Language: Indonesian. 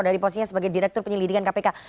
dari posisinya sebagai direktur penyelidikan kpk